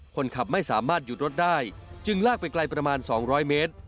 คนขับไม่สามารถหยุดรถได้จึงลากไปไกลประมาณ๒๐๐เมตร